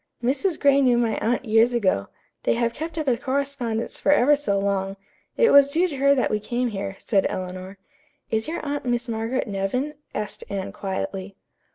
"Mrs. Gray knew my aunt years ago. They have kept up a correspondence for ever so long. It was due to her that we came here," said Eleanor. "Is your aunt Miss Margaret Nevin?" asked Anne quietly.